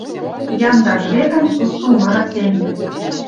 Ямдаш жепӹм сусу мыры семде